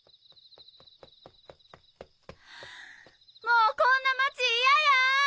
もうこんな町嫌や！